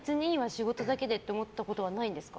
仕事だけでって思ったことはないんですか？